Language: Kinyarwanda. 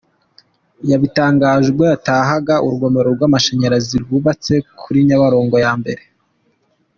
Yabitangaje ubwo yatahaga urugomero rw’amashanyarazi rwubatse kuri Nyabarongo ya I.